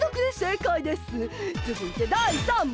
つづいて第３問！